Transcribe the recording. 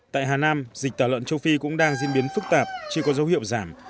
tại hà nam dịch tả lợn châu phi cũng đang diễn biến phức tạp chưa có dấu hiệu giảm